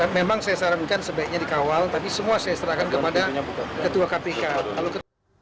memang saya sarankan sebaiknya dikawal tapi semua saya serahkan kepada ketua kpk